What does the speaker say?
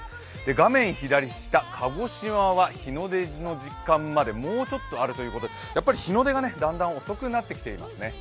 画面左下、鹿児島は日の出の時間までもうちょっとあるということでやっぱり日の出がだんだん遅くなってきていますね。